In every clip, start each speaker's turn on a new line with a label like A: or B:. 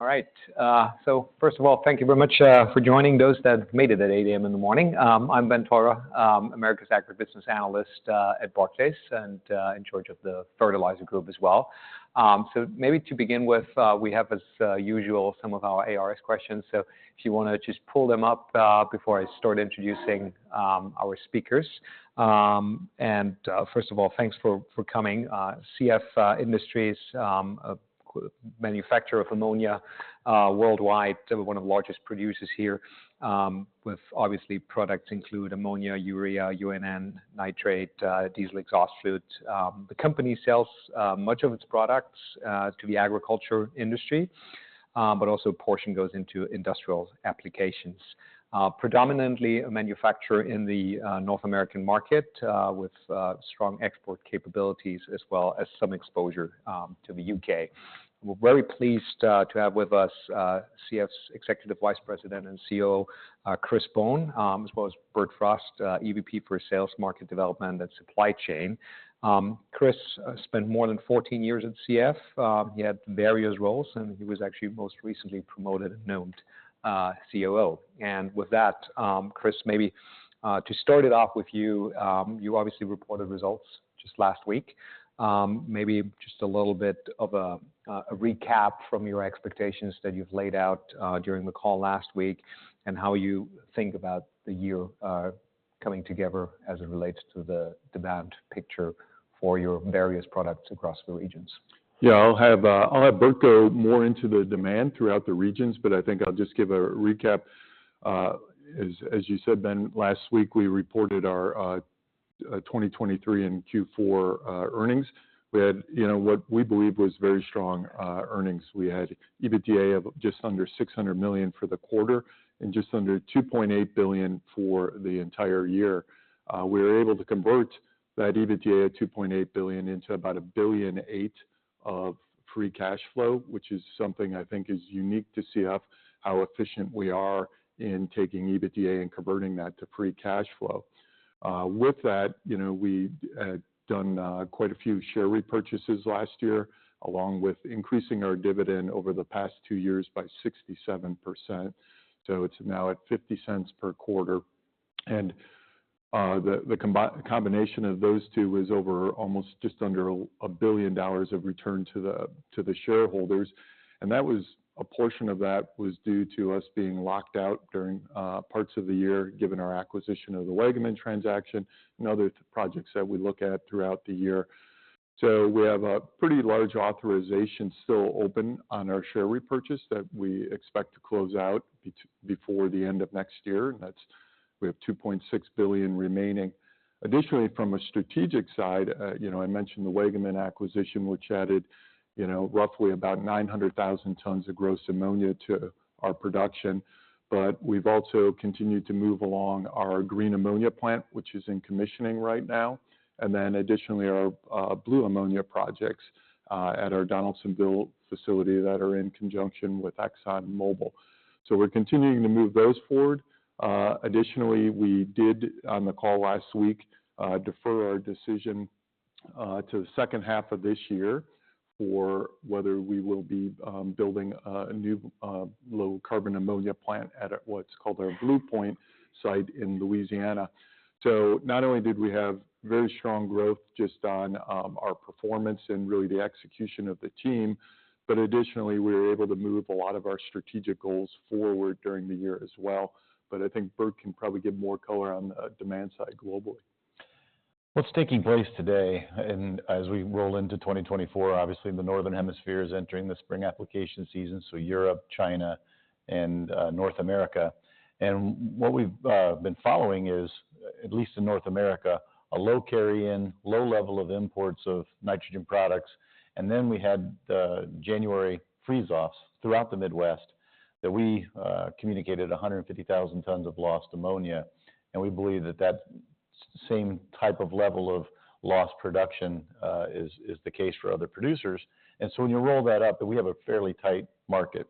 A: All right, so first of all, thank you very much for joining. Those that made it at 8:00 A.M. in the morning, I'm Ben Theurer, Americas Agribusiness Analyst at Barclays, and in charge of the fertilizer group as well. So maybe to begin with, we have, as usual, some of our ARS questions, so if you want to just pull them up before I start introducing our speakers. And first of all, thanks for coming. CF Industries, a key manufacturer of ammonia worldwide, one of the largest producers here, with obviously products include ammonia, urea, UAN, nitrate, diesel exhaust fluids. The company sells much of its products to the agriculture industry, but also a portion goes into industrial applications. Predominantly a manufacturer in the North American market, with strong export capabilities as well as some exposure to the UK. We're very pleased to have with us CF's Executive Vice President and CEO, Chris Bohn, as well as Bert Frost, EVP for Sales Market Development and Supply Chain. Chris spent more than 14 years at CF. He had various roles, and he was actually most recently promoted and named COO. And with that, Chris, maybe to start it off with you, you obviously reported results just last week. Maybe just a little bit of a recap from your expectations that you've laid out during the call last week and how you think about the year coming together as it relates to the demand picture for your various products across the regions.
B: Yeah, I'll have Bert go more into the demand throughout the regions, but I think I'll just give a recap. As you said, Ben, last week we reported our 2023 and Q4 earnings. We had, you know, what we believe was very strong earnings. We had EBITDA of just under $600 million for the quarter and just under $2.8 billion for the entire year. We were able to convert that EBITDA of $2.8 billion into about $1.8 billion of free cash flow, which is something I think is unique to CF, how efficient we are in taking EBITDA and converting that to free cash flow. With that, you know, we had done quite a few share repurchases last year, along with increasing our dividend over the past two years by 67%, so it's now at $0.50 per quarter. The combination of those two was over almost just under $1 billion of return to the shareholders, and a portion of that was due to us being locked out during parts of the year given our acquisition of the Waggaman transaction and other projects that we look at throughout the year. So we have a pretty large authorization still open on our share repurchase that we expect to close out before the end of next year, and that's, we have $2.6 billion remaining. Additionally, from a strategic side, you know, I mentioned the Waggaman acquisition, which added, you know, roughly about 900,000 tons of gross ammonia to our production, but we've also continued to move along our Green Ammonia plant, which is in commissioning right now, and then additionally our, Blue Ammonia projects, at our Donaldsonville facility that are in conjunction with ExxonMobil. So we're continuing to move those forward. Additionally, we did, on the call last week, defer our decision, to the second half of this year for whether we will be, building, a new, low-carbon ammonia plant at what's called our Blue Point site in Louisiana. So not only did we have very strong growth just on, our performance and really the execution of the team, but additionally we were able to move a lot of our strategic goals forward during the year as well. But I think Bert can probably give more color on the demand side globally.
C: What's taking place today, and as we roll into 2024, obviously the northern hemisphere is entering the spring application season, so Europe, China, and North America. And what we've been following is, at least in North America, a low carry-in, low level of imports of nitrogen products, and then we had the January freeze-offs throughout the Midwest that we communicated 150,000 tons of lost ammonia, and we believe that that same type of level of lost production is the case for other producers. And so when you roll that up, that we have a fairly tight market.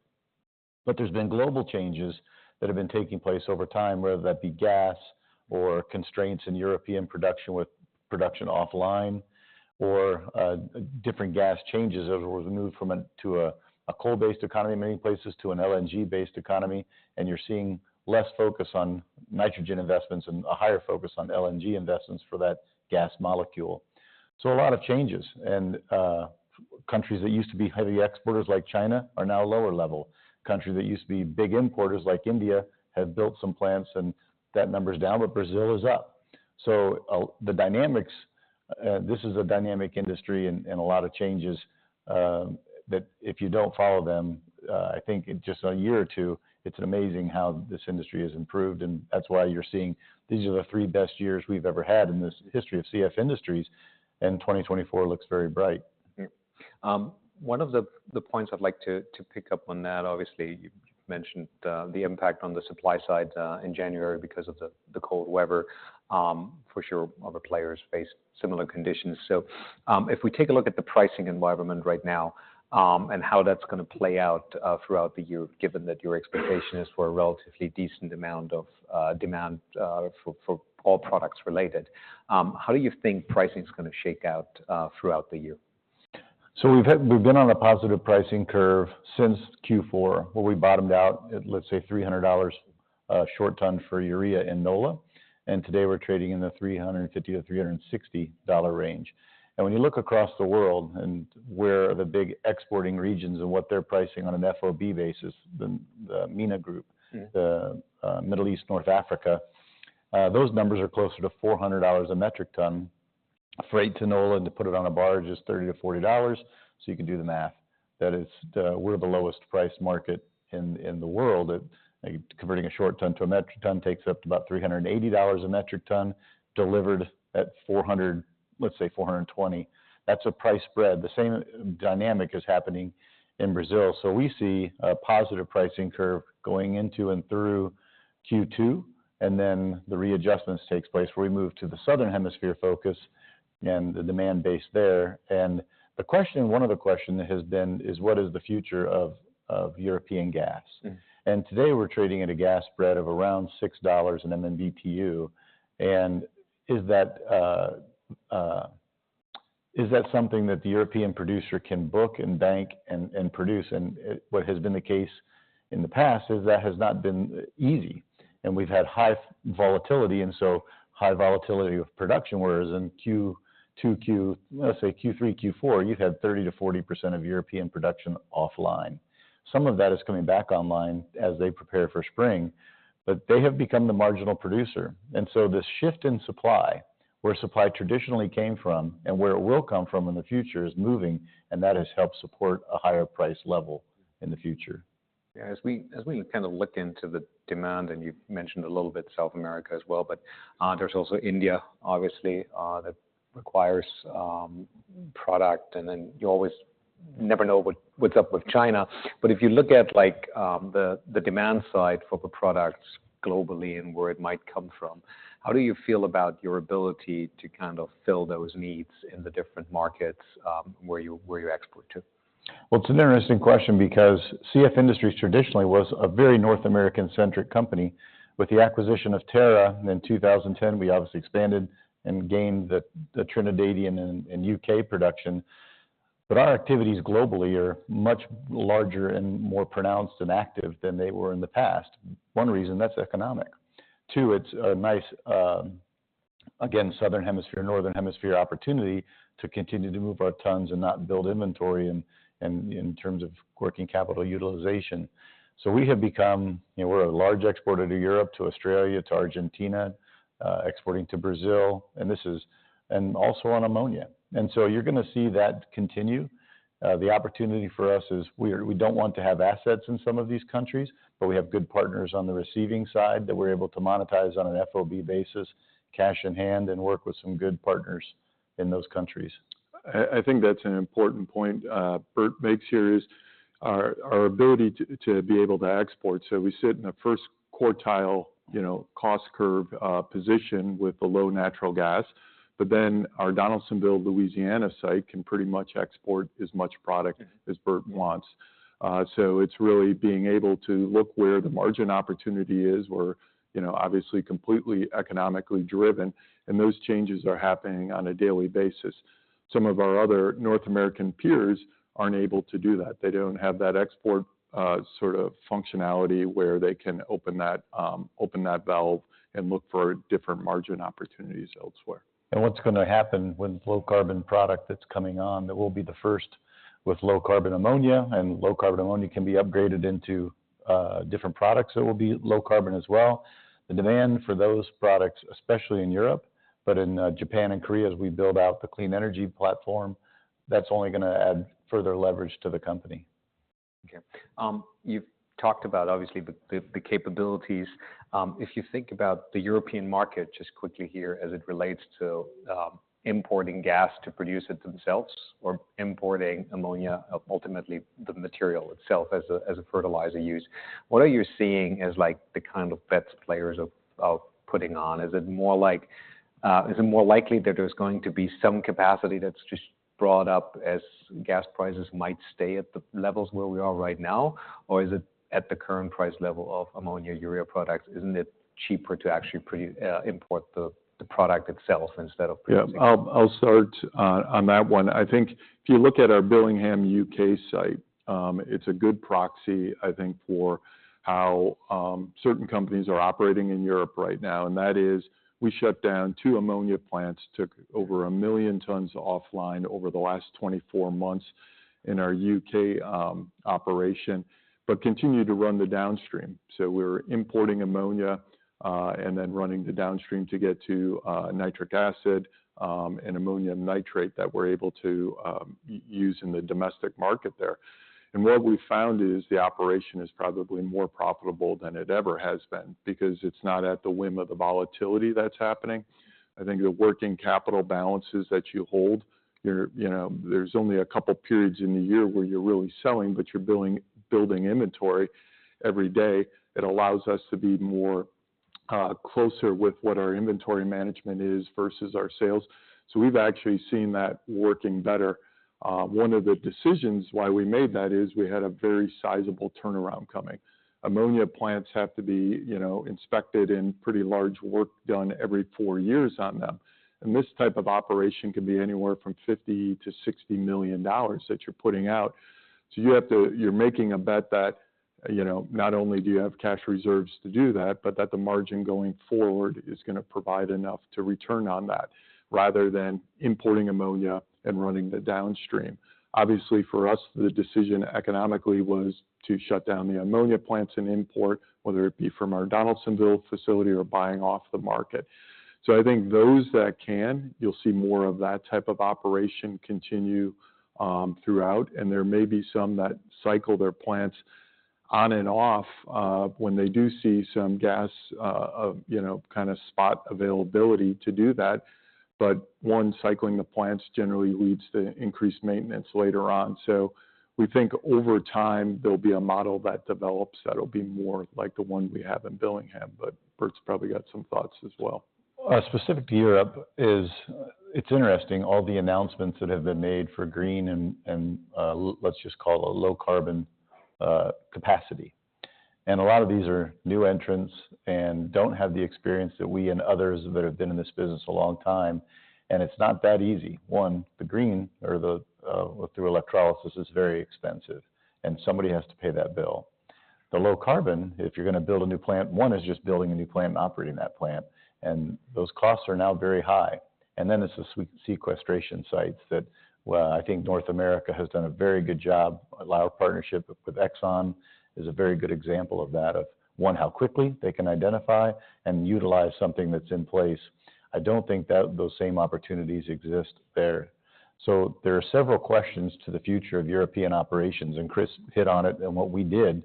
C: But there's been global changes that have been taking place over time, whether that be gas or constraints in European production with production offline or different gas changes. As we've moved from a coal-based economy in many places to an LNG-based economy, and you're seeing less focus on nitrogen investments and a higher focus on LNG investments for that gas molecule. So a lot of changes, and for countries that used to be heavy exporters like China are now lower level. Countries that used to be big importers like India have built some plants, and that number's down, but Brazil is up. So, the dynamics, and this is a dynamic industry and a lot of changes, that if you don't follow them, I think in just a year or two, it's amazing how this industry has improved, and that's why you're seeing these are the three best years we've ever had in the history of CF Industries, and 2024 looks very bright.
A: One of the points I'd like to pick up on that, obviously, you've mentioned the impact on the supply side in January because of the cold weather. For sure, other players faced similar conditions. So if we take a look at the pricing environment right now, and how that's going to play out throughout the year, given that your expectation is for a relatively decent amount of demand for all products related, how do you think pricing's going to shake out throughout the year?
C: So we've been on a positive pricing curve since Q4 where we bottomed out at, let's say, $300 short ton for urea in NOLA, and today we're trading in the $350-$360 range. And when you look across the world and where the big exporting regions and what they're pricing on an FOB basis, the MENA group, the Middle East, North Africa, those numbers are closer to $400 a metric ton. Freight to NOLA and to put it on a barge is $30-$40, so you can do the math. That is, we're the lowest priced market in the world. It, like, converting a short ton to a metric ton takes up to about $380 a metric ton, delivered at $400, let's say $420. That's a price spread. The same dynamic is happening in Brazil. So we see a positive pricing curve going into and through Q2, and then the readjustments take place where we move to the southern hemisphere focus and the demand base there. And the question, one of the questions that has been is, what is the future of, of European gas? And today we're trading at a gas spread of around $6 an MMBtu, and is that, is that something that the European producer can book and bank and, and produce? And it what has been the case in the past is that has not been easy, and we've had high volatility, and so high volatility of production. Whereas in 2Q. let's say Q3, Q4, you've had 30%-40% of European production offline. Some of that is coming back online as they prepare for spring, but they have become the marginal producer. This shift in supply, where supply traditionally came from and where it will come from in the future, is moving, and that has helped support a higher price level in the future.
A: Yeah, as we kind of look into the demand, and you've mentioned a little bit South America as well, but there's also India, obviously, that requires product, and then you always never know what's up with China. But if you look at, like, the demand side for the products globally and where it might come from, how do you feel about your ability to kind of fill those needs in the different markets where you export to?
C: Well, it's an interesting question because CF Industries traditionally was a very North American-centric company. With the acquisition of Terra in 2010, we obviously expanded and gained the Trinidadian and UK production, but our activities globally are much larger and more pronounced and active than they were in the past. One reason, that's economic. Two, it's a nice, again, southern hemisphere, northern hemisphere opportunity to continue to move our tons and not build inventory and in terms of working capital utilization. So we have become, you know, we're a large exporter to Europe, to Australia, to Argentina, exporting to Brazil, and this is and also on ammonia. And so you're going to see that continue. The opportunity for us is we don't want to have assets in some of these countries, but we have good partners on the receiving side that we're able to monetize on an FOB basis, cash in hand, and work with some good partners in those countries.
B: I think that's an important point Bert makes here is our ability to be able to export. So we sit in a first quartile, you know, cost curve, position with the low natural gas, but then our Donaldsonville, Louisiana site can pretty much export as much product as Bert wants. So it's really being able to look where the margin opportunity is. We're, you know, obviously completely economically driven, and those changes are happening on a daily basis. Some of our other North American peers aren't able to do that. They don't have that export, sort of functionality where they can open that valve and look for different margin opportunities elsewhere.
C: What's going to happen with low-carbon product that's coming on that will be the first with low-carbon ammonia? Low-carbon ammonia can be upgraded into different products that will be low-carbon as well. The demand for those products, especially in Europe, but in Japan and Korea, as we build out the clean energy platform, that's only going to add further leverage to the company.
A: Okay. You've talked about, obviously, the capabilities. If you think about the European market just quickly here as it relates to importing gas to produce it themselves or importing ammonia, ultimately the material itself as a fertilizer use, what are you seeing as, like, the kind of bets players are putting on? Is it more like, is it more likely that there's going to be some capacity that's just brought up as gas prices might stay at the levels where we are right now, or is it at the current price level of ammonia urea products? Isn't it cheaper to actually produce, import the product itself instead of producing?
B: Yeah, I'll, I'll start on that one. I think if you look at our Billingham, U.K. site, it's a good proxy, I think, for how certain companies are operating in Europe right now, and that is we shut down two ammonia plants, took over 1 million tons offline over the last 24 months in our U.K. operation, but continue to run the downstream. So we're importing ammonia, and then running the downstream to get to nitric acid and ammonium nitrate that we're able to use in the domestic market there. And what we found is the operation is probably more profitable than it ever has been because it's not at the whim of the volatility that's happening. I think the working capital balances that you hold, you know, there's only a couple periods in the year where you're really selling, but you're building inventory every day. It allows us to be more, closer with what our inventory management is versus our sales. So we've actually seen that working better. One of the decisions why we made that is we had a very sizable turnaround coming. Ammonia plants have to be, you know, inspected and pretty large work done every four years on them, and this type of operation can be anywhere from $50-$60 million that you're putting out. So you have to, you're making a bet that, you know, not only do you have cash reserves to do that, but that the margin going forward is going to provide enough to return on that rather than importing ammonia and running the downstream. Obviously, for us, the decision economically was to shut down the ammonia plants and import, whether it be from our Donaldsonville facility or buying off the market. So I think those that can, you'll see more of that type of operation continue throughout, and there may be some that cycle their plants on and off when they do see some gas, you know, kind of spot availability to do that. But one, cycling the plants generally leads to increased maintenance later on. So we think over time there'll be a model that develops that'll be more like the one we have in Billingham, but Bert's probably got some thoughts as well.
A: Specific to Europe is, it's interesting, all the announcements that have been made for green and low-carbon capacity. A lot of these are new entrants and don't have the experience that we and others that have been in this business a long time, and it's not that easy. One, the green or the through electrolysis is very expensive, and somebody has to pay that bill. The low-carbon, if you're going to build a new plant, one is just building a new plant and operating that plant, and those costs are now very high. And then it's the sweet sequestration sites that, well, I think North America has done a very good job. Our partnership with Exxon is a very good example of that, of one, how quickly they can identify and utilize something that's in place. I don't think that those same opportunities exist there. So there are several questions to the future of European operations, and Chris hit on it and what we did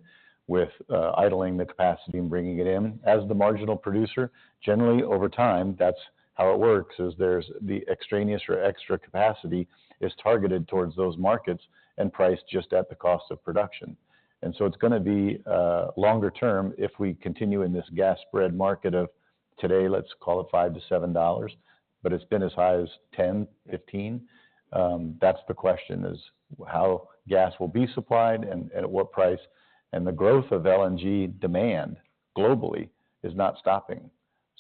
A: with idling the capacity and bringing it in. As the marginal producer, generally over time, that's how it works, is there's the extraneous or extra capacity is targeted towards those markets and priced just at the cost of production. And so it's going to be, longer term if we continue in this gas spread market of today, let's call it $5-$7, but it's been as high as $10, $15. That's the question, is how gas will be supplied and, and at what price. And the growth of LNG demand globally is not stopping.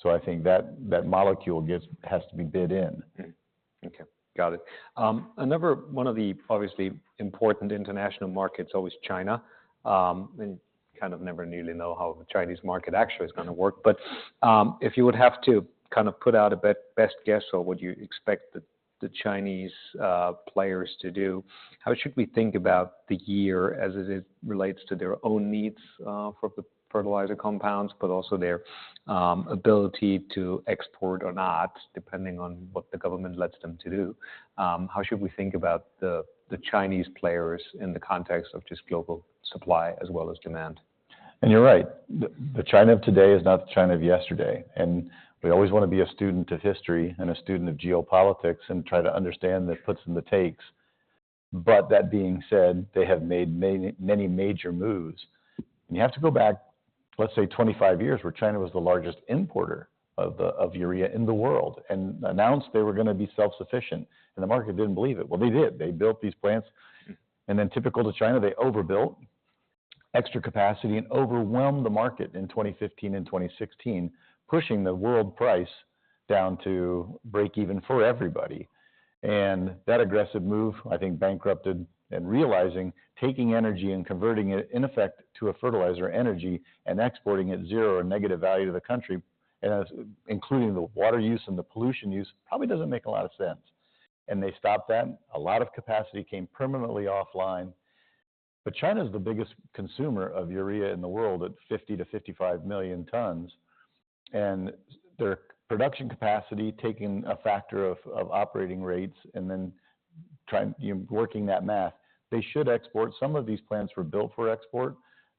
A: So I think that, that molecule gets has to be bid in. Okay. Got it. Another one of the obviously important international markets is always China. And kind of never nearly know how the Chinese market actually is going to work. But if you would have to kind of put out a bet best guess, what would you expect the Chinese players to do? How should we think about the year as it relates to their own needs for the fertilizer compounds, but also their ability to export or not, depending on what the government lets them do? How should we think about the Chinese players in the context of just global supply as well as demand?
C: And you're right. The China of today is not the China of yesterday, and we always want to be a student of history and a student of geopolitics and try to understand the puts and the takes. But that being said, they have made many, many major moves. And you have to go back, let's say, 25 years where China was the largest importer of urea in the world and announced they were going to be self-sufficient, and the market didn't believe it. Well, they did. They built these plants. And then typical to China, they overbuilt extra capacity and overwhelmed the market in 2015 and 2016, pushing the world price down to break even for everybody. That aggressive move, I think, bankrupted and realizing taking energy and converting it, in effect, to a fertilizer energy and exporting at zero or negative value to the country, and including the water use and the pollution use, probably doesn't make a lot of sense. They stopped that. A lot of capacity came permanently offline. China's the biggest consumer of urea in the world at 50-55 million tons, and their production capacity taking a factor of operating rates and then trying, you know, working that math, they should export. Some of these plants were built for export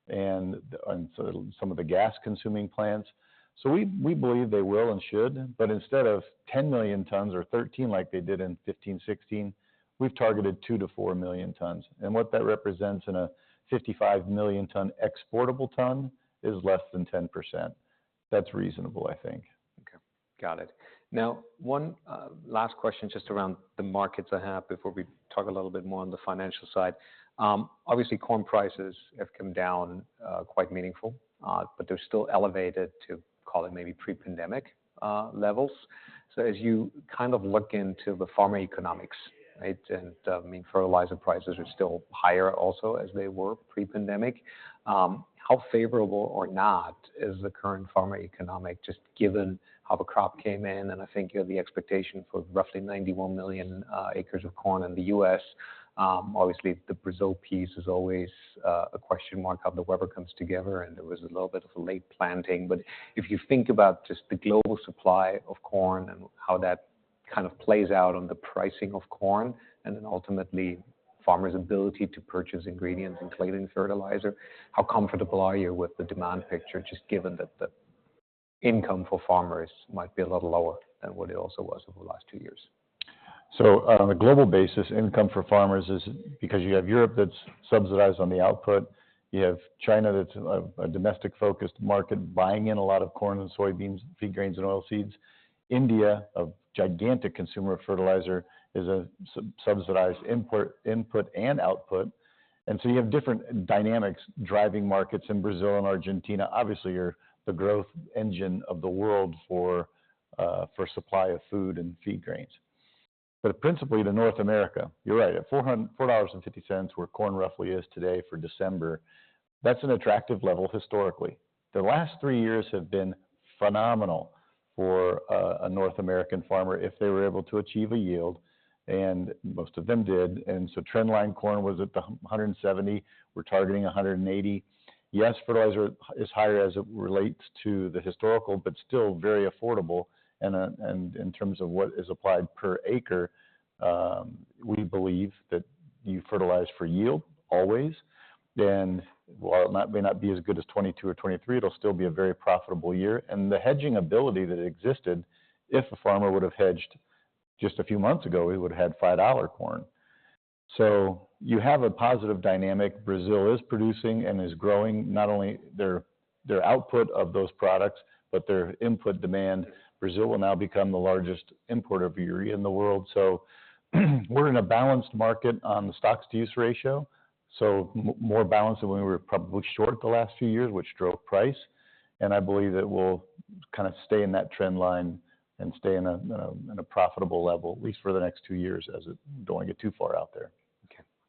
C: and so some of the gas-consuming plants. So we believe they will and should. But instead of 10 million tons or 13 like they did in 2015, 2016, we've targeted 2-4 million tons. What that represents in a 55 million ton exportable ton is less than 10%. That's reasonable, I think. Okay. Got it. Now, one last question just around the markets I have before we talk a little bit more on the financial side. Obviously, corn prices have come down quite meaningful, but they're still elevated to, call it maybe pre-pandemic levels. So as you kind of look into the farmer economics, right, and I mean, fertilizer prices are still higher also as they were pre-pandemic. How favorable or not is the current farmer economic just given how the crop came in? And I think, you know, the expectation for roughly 91 million acres of corn in the U.S., obviously the Brazil piece is always a question mark how the weather comes together, and there was a little bit of a late planting.
A: But if you think about just the global supply of corn and how that kind of plays out on the pricing of corn and then ultimately farmers' ability to purchase ingredients and clay and fertilizer, how comfortable are you with the demand picture just given that the income for farmers might be a little lower than what it also was over the last two years?
C: So, on a global basis, income for farmers is because you have Europe that's subsidized on the output. You have China that's a domestic-focused market buying in a lot of corn and soybeans, feed grains, and oilseeds. India, a gigantic consumer of fertilizer, is a subsidized import, input, and output. And so you have different dynamics driving markets in Brazil and Argentina. Obviously, you're the growth engine of the world for, for supply of food and feed grains. But principally to North America, you're right, at $400.50 where corn roughly is today for December, that's an attractive level historically. The last three years have been phenomenal for, a North American farmer if they were able to achieve a yield, and most of them did. And so trendline corn was at the 170. We're targeting 180. Yes, fertilizer is higher as it relates to the historical, but still very affordable. In terms of what is applied per acre, we believe that you fertilize for yield always. While it may not be as good as 2022 or 2023, it'll still be a very profitable year. The hedging ability that existed, if a farmer would have hedged just a few months ago, he would have had $5 corn. You have a positive dynamic. Brazil is producing and is growing not only their output of those products, but their input demand. Brazil will now become the largest importer of urea in the world. We're in a balanced market on the stocks-to-use ratio. More balanced than when we were probably short the last few years, which drove price. I believe it will kind of stay in that trendline and stay in a profitable level, at least for the next two years as it don't get too far out there.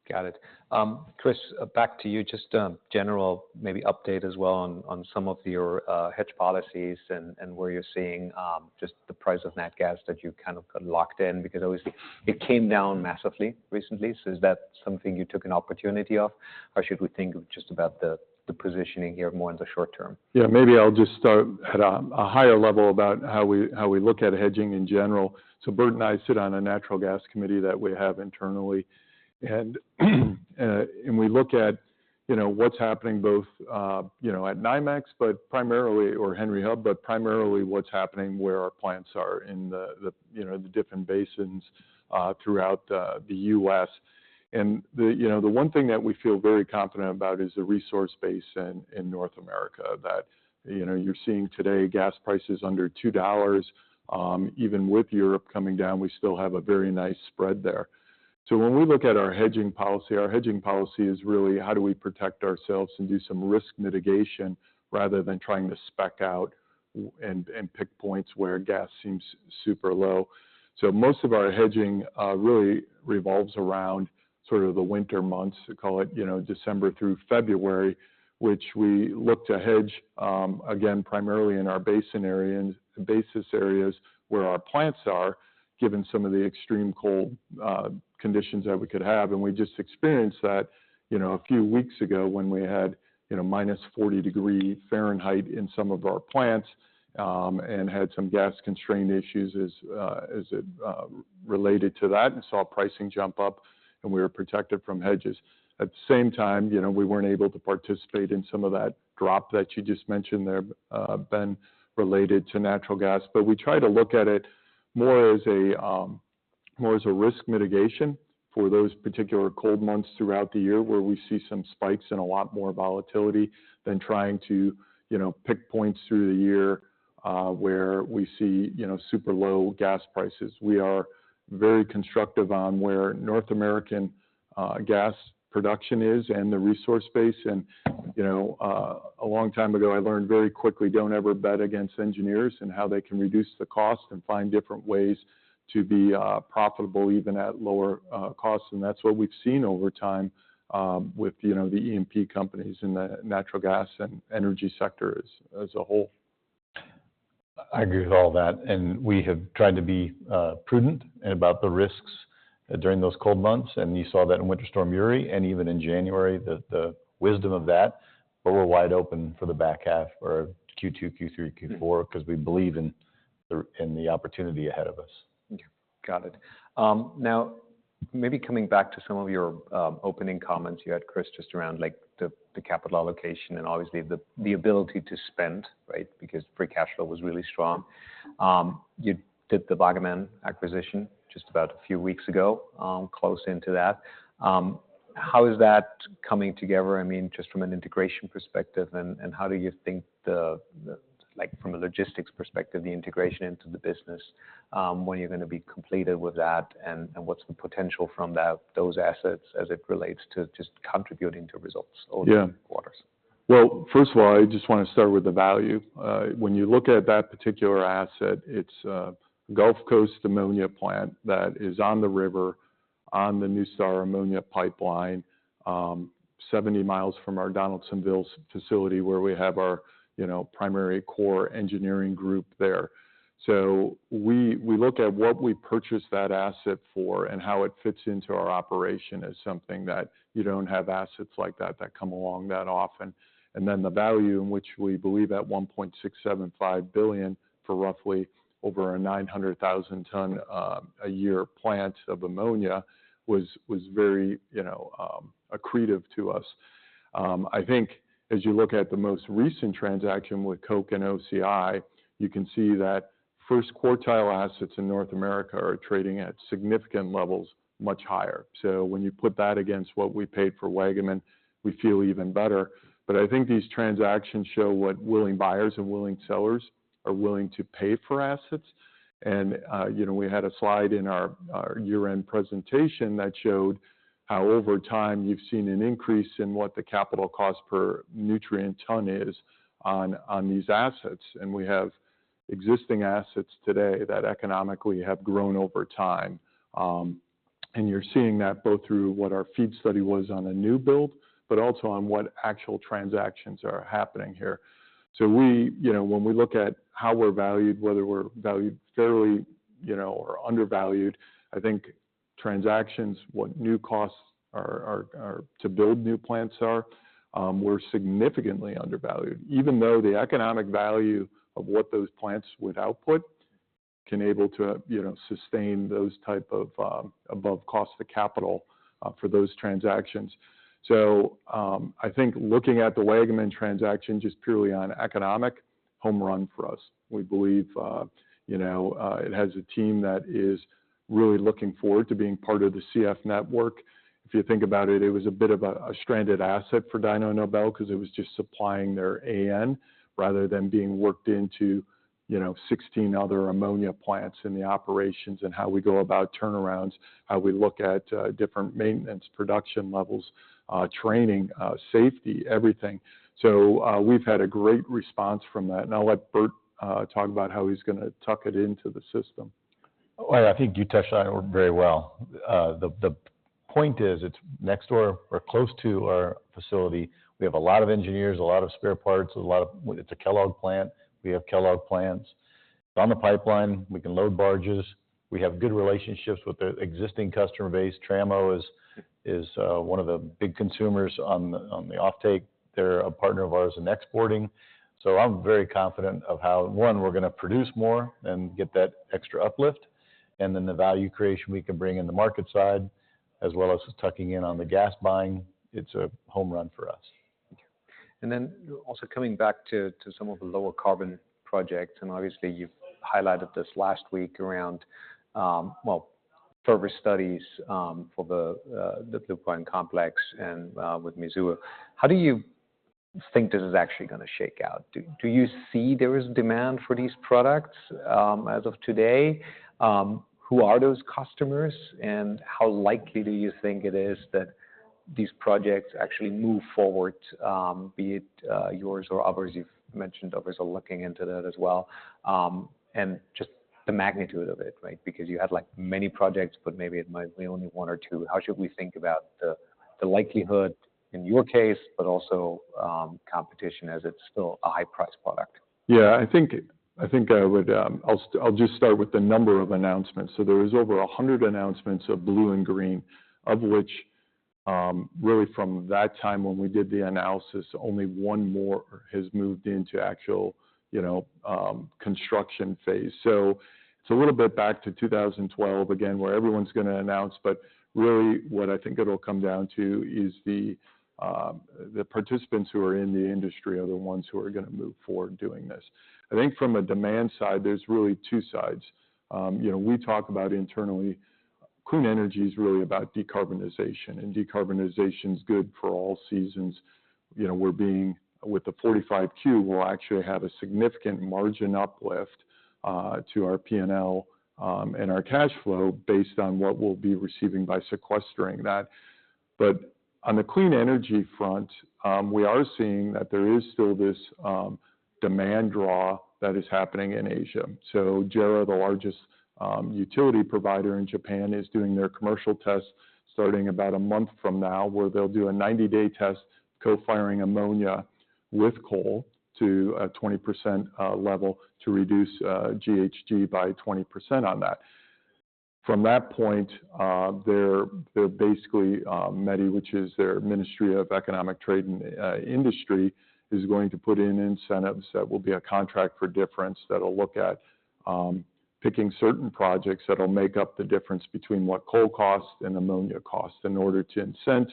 C: Okay. Got it. Chris, back to you, just a general, maybe update as well on some of your hedge policies and where you're seeing just the price of natural gas that you kind of got locked in because obviously it came down massively recently. So is that something you took an opportunity of, or should we think just about the positioning here more in the short term?
B: Yeah, maybe I'll just start at a higher level about how we, how we look at hedging in general. So Bert and I sit on a natural gas committee that we have internally, and, and we look at, you know, what's happening both, you know, at NYMEX, but primarily, or Henry Hub, but primarily what's happening where our plants are in the, the, you know, the different basins, throughout, the U.S. And the, you know, the one thing that we feel very confident about is the resource base in, in North America that, you know, you're seeing today, gas prices under $2. Even with Europe coming down, we still have a very nice spread there. So when we look at our hedging policy, our hedging policy is really how do we protect ourselves and do some risk mitigation rather than trying to spec out and pick points where gas seems super low. So most of our hedging really revolves around sort of the winter months, call it, you know, December through February, which we look to hedge, again, primarily in our basis areas where our plants are, given some of the extreme cold conditions that we could have. And we just experienced that, you know, a few weeks ago when we had, you know, -40 degrees Fahrenheit in some of our plants, and had some gas-constrained issues related to that and saw pricing jump up, and we were protected from hedges. At the same time, you know, we weren't able to participate in some of that drop that you just mentioned there, Ben, related to natural gas. But we try to look at it more as a, more as a risk mitigation for those particular cold months throughout the year where we see some spikes and a lot more volatility than trying to, you know, pick points through the year, where we see, you know, super low gas prices. We are very constructive on where North American gas production is and the resource base. And, you know, a long time ago, I learned very quickly, don't ever bet against engineers and how they can reduce the cost and find different ways to be profitable even at lower costs. And that's what we've seen over time, with, you know, the E&P companies in the natural gas and energy sectors as a whole.
C: I agree with all that. We have tried to be prudent about the risks during those cold months. You saw that in Winter Storm Uri and even in January, the wisdom of that. But we're wide open for the back half or Q2, Q3, Q4 because we believe in the opportunity ahead of us.
A: Okay. Got it. Now maybe coming back to some of your opening comments you had, Chris, just around, like, the capital allocation and obviously the ability to spend, right because free cash flow was really strong. You did the Waggaman acquisition just about a few weeks ago, close into that. How is that coming together? I mean, just from an integration perspective, and how do you think the, like, from a logistics perspective, the integration into the business, when you're going to be completed with that, and what's the potential from those assets as it relates to just contributing to results over the quarters?
B: Yeah. Well, first of all, I just want to start with the value. When you look at that particular asset, it's a Gulf Coast ammonia plant that is on the river, on the NuStar ammonia pipeline, 70 miles from our Donaldsonville facility where we have our, you know, primary core engineering group there. So we, we look at what we purchased that asset for and how it fits into our operation as something that you don't have assets like that that come along that often. And then the value in which we believe at $1.675 billion for roughly over a 900,000-ton-a-year plant of ammonia was, was very, you know, accretive to us. I think as you look at the most recent transaction with Koch and OCI, you can see that first-quartile assets in North America are trading at significant levels, much higher. So when you put that against what we paid for Waggaman, we feel even better. But I think these transactions show what willing buyers and willing sellers are willing to pay for assets. And, you know, we had a slide in our, our year-end presentation that showed how over time you've seen an increase in what the capital cost per nutrient ton is on, on these assets. And we have existing assets today that economically have grown over time, and you're seeing that both through what our FEED study was on a new build, but also on what actual transactions are happening here. So we, you know, when we look at how we're valued, whether we're valued fairly, you know, or undervalued, I think transactions, what new costs are to build new plants are, we're significantly undervalued, even though the economic value of what those plants would output can able to, you know, sustain those type of above cost of capital for those transactions. So, I think looking at the Waggaman transaction just purely on economic, home run for us. We believe, you know, it has a team that is really looking forward to being part of the CF network. If you think about it, it was a bit of a stranded asset for Dyno Nobel because it was just supplying their AN rather than being worked into, you know, 16 other ammonia plants in the operations and how we go about turnarounds, how we look at different maintenance, production levels, training, safety, everything. So, we've had a great response from that. And I'll let Bert talk about how he's going to tuck it into the system.
C: Well, I think you touched on it very well. The point is it's next door or close to our facility. We have a lot of engineers, a lot of spare parts, a lot of it, it's a Kellogg plant. We have Kellogg plants. It's on the pipeline. We can load barges. We have good relationships with the existing customer base. Trammo is one of the big consumers on the offtake. They're a partner of ours in exporting. So I'm very confident of how one, we're going to produce more and get that extra uplift. And then the value creation we can bring in the market side, as well as tucking in on the gas buying, it's a home run for us.
A: Okay. And then also coming back to some of the lower carbon projects, and obviously you've highlighted this last week around, well, proof of studies, for the Blue Point Complex and with Mitsui. How do you think this is actually going to shake out? Do you see there is demand for these products, as of today? Who are those customers and how likely do you think it is that these projects actually move forward, be it yours or others? You've mentioned others are looking into that as well. And just the magnitude of it, right, because you had, like, many projects, but maybe it might be only one or two. How should we think about the likelihood in your case, but also competition as it's still a high-priced product?
B: Yeah, I think I would. I'll just start with the number of announcements. So there is over 100 announcements of blue and green, of which, really from that time when we did the analysis, only one more has moved into actual, you know, construction phase. So it's a little bit back to 2012 again where everyone's going to announce, but really what I think it'll come down to is the participants who are in the industry are the ones who are going to move forward doing this. I think from a demand side, there's really two sides, you know. We talk about internally, clean energy is really about decarbonization, and decarbonization is good for all seasons. You know, we're being with the 45Q, we'll actually have a significant margin uplift to our P&L and our cash flow based on what we'll be receiving by sequestering that. But on the clean energy front, we are seeing that there is still this demand draw that is happening in Asia. So JERA, the largest utility provider in Japan, is doing their commercial tests starting about a month from now where they'll do a 90-day test co-firing ammonia with coal to a 20% level to reduce GHG by 20% on that. From that point, they're basically METI, which is their Ministry of Economy, Trade and Industry, is going to put in incentives that will be a contract for difference that'll look at picking certain projects that'll make up the difference between what coal costs and ammonia costs in order to incent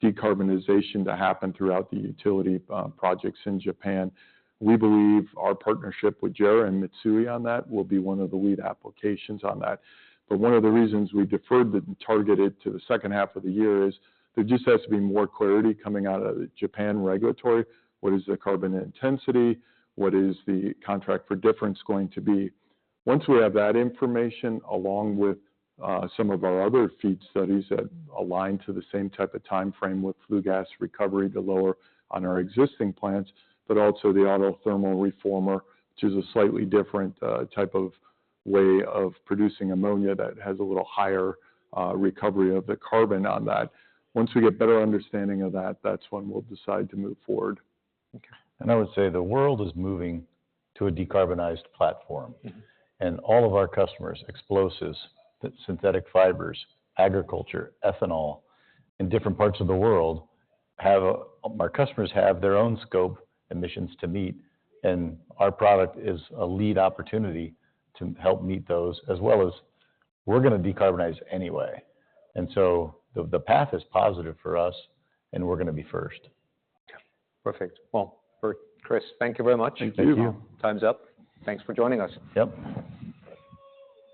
B: decarbonization to happen throughout the utility projects in Japan. We believe our partnership with JERA and Mitsui on that will be one of the lead applications on that. But one of the reasons we deferred the targeted to the second half of the year is there just has to be more clarity coming out of the Japanese regulatory. What is the carbon intensity? What is the contract for difference going to be? Once we have that information, along with some of our other FEED studies that align to the same type of timeframe with flue gas recovery to lower on our existing plants, but also the autothermal reformer, which is a slightly different type of way of producing ammonia that has a little higher recovery of the carbon on that. Once we get better understanding of that, that's when we'll decide to move forward.
C: Okay. I would say the world is moving to a decarbonized platform. All of our customers, explosives, synthetic fibers, agriculture, ethanol, in different parts of the world, our customers have their own scope emissions to meet, and our product is a lead opportunity to help meet those, as well as we're going to decarbonize anyway. So the path is positive for us, and we're going to be first.
A: Okay. Perfect. Well, Bert, Chris, thank you very much.
B: Thank you.
C: Time's up. Thanks for joining us. Yep.